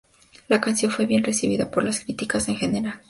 La canción fue bien recibida por las críticas en general.